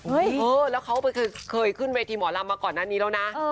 เออแล้วเขาเคยขึ้นเวทีหมอลำมาก่อนหน้านี้แล้วนะ